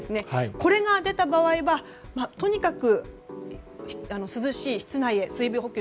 これが出た場合はとにかく涼しい室内へ水分補給